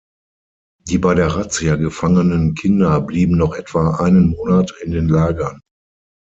Die bei der Razzia gefangenen Kinder blieben noch etwa einen Monat in den Lagern.